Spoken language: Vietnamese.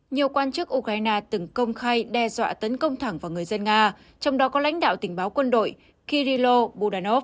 nhiều quan chức ukraine từng công khai đe dọa tấn công thẳng vào người dân nga trong đó có lãnh đạo tình báo quân đội kirilo budanov